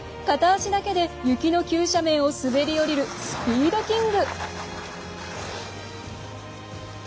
片足だけで雪の急斜面を滑り降りるスピードキング。